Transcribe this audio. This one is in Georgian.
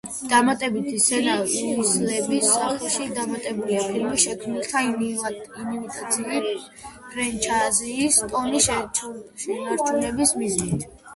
დამატებითი სცენა უისლების სახლში დამატებულია ფილმის შემქმნელთა ინიციატივით, ფრენჩაიზის ტონის შენარჩუნების მიზნით.